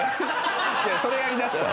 いやそれやりだすと。